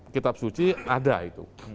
kitab suci ada itu